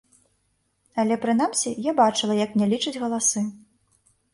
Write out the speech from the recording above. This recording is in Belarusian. Але, прынамсі, я бачыла, як не лічаць галасы.